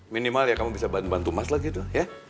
minimal ya kamu bisa bantu bantu mas lagi tuh